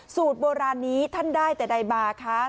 สูตรโบราณนี้ท่านได้แต่ใดมาคะ